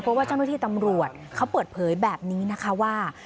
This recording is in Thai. เพราะว่าเจ้าหน้าที่ตำรวจเขาเปิดเผยแบบนี้นะคะว่า